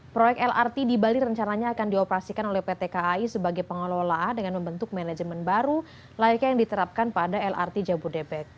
proyek lrt di bali rencananya akan dioperasikan oleh pt kai sebagai pengelola dengan membentuk manajemen baru layaknya yang diterapkan pada lrt jabodebek